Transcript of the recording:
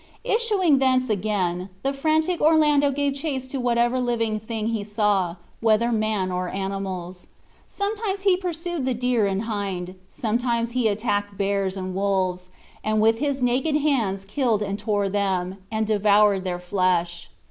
Issuing thence again, the frantic Orlando gave chase to whatever living thing he saw, whether men or animals. Sometimes he pursued the deer and hind, sometimes he attacked bears and wolves, and with his naked hands killed and tore them, and devoured their flesh.